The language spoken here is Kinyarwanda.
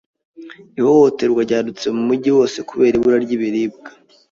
Ihohoterwa ryadutse mu mujyi wose kubera ibura ry'ibiribwa.